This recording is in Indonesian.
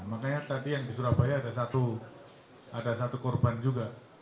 makanya tadi yang di surabaya ada satu korban juga